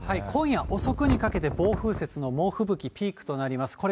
今夜遅くにかけて暴風雪の猛吹雪ピークとなります。